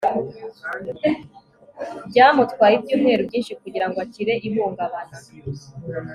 byamutwaye ibyumweru byinshi kugirango akire ihungabana